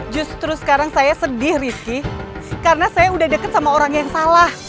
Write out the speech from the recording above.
justru sekarang saya sedih rizky karena saya udah deket sama orang yang salah